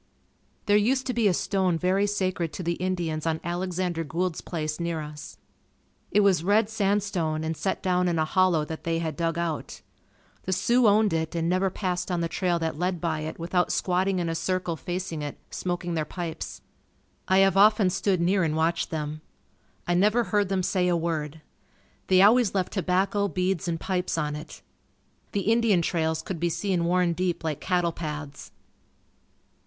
There used to be a stone very sacred to the Indians on Alexander Gould's place near us. It was red sandstone and set down in a hollow that they had dug out. The Sioux owned it and never passed on the trail that led by it without squatting in a circle facing it, smoking their pipes. I have often stood near and watched them. I never heard them say a word. They always left tobacco, beads and pipes on it. The Indian trails could be seen worn deep like cattle paths.